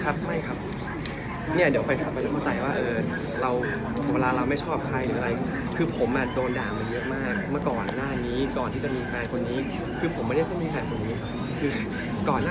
ก็คิดว่าคงจะโอเคครับแล้วก็อยากให้ทุกคนได้เข้าใจว่าทำอะไรเพราะอะไร